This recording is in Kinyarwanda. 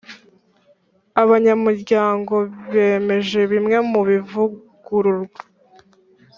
abanyamuryango bemeje bimwe mu bivugururwa